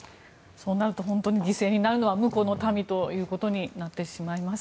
そうなると犠牲になるのは無辜の民ということになってしまいます。